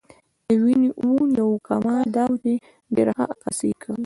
د وین وون یو کمال دا و چې ډېره ښه عکاسي یې کوله.